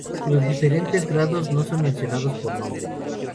Los diferentes grados no son mencionados por nombre.